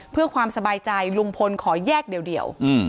เพื่อความสบายใจลุงพลขอแยกเดียว